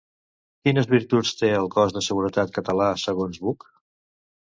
Quines virtuts té el cos de seguretat català, segons Buch?